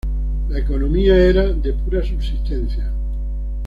La economía era de pura subsistencia.